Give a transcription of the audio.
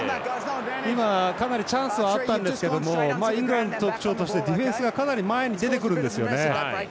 今、かなりチャンスはあったんですがイングランドの特徴としてディフェンスがかなり前に出てくるんですよね。